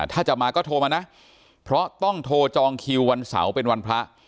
ถ้าจะมาก็โทรมานะเพราะต้องโทรจองคิววันเสาร์เป็นวันพระ